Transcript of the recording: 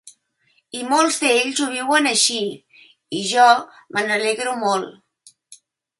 I molts d’ells ho viuen així, i jo me n’alegro molt.